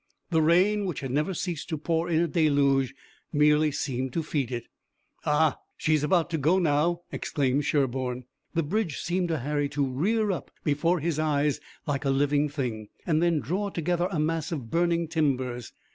The rain, which had never ceased to pour in a deluge, merely seemed to feed it. "Ah, she's about to go now," exclaimed Sherburne. The bridge seemed to Harry to rear up before his eyes like a living thing, and then draw together a mass of burning timbers.